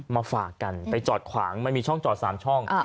มาฝากกันไปจอดขวางมันมีช่องจอด๓ช่อง